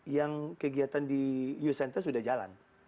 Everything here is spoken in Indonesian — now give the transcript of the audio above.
yang kegiatan di eoce center sudah jalan